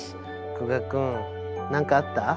久我君何かあった？